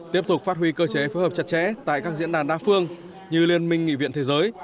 tiếp tục phát huy cơ chế phối hợp chặt chẽ tại các diễn đàn đa phương như liên minh nghị viện thế giới